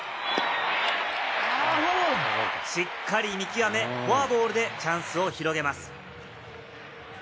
しっかり見極め、フォアボールでチャンスを広げます。